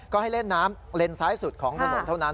ก็ให้เล่นน้ำเลนซ้ายสุดของถนนเท่านั้น